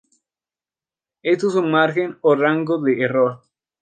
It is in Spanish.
Esto es un margen o rango de error.